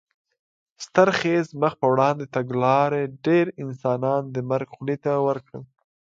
ستر خېز مخ په وړاندې تګلارې ډېر انسانان د مرګ خولې ته ور کړل.